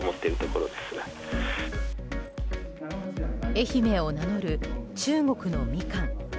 愛媛を名乗る中国のミカン。